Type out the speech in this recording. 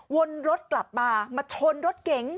วนรถกลับมามาชนรถเก๋ง